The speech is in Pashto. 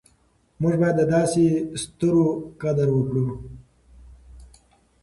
موږ باید د داسې ستورو قدر وکړو.